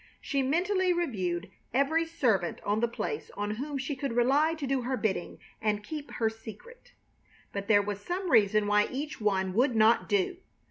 She mentally reviewed every servant on the place on whom she could rely to do her bidding and keep her secret, but there was some reason why each one would not do.